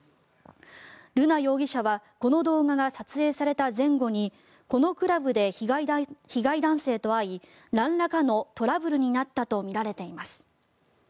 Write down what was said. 瑠奈容疑者はこの動画が撮影された前後にこのクラブで被害男性と会いなんらかのトラブルになったとみられています。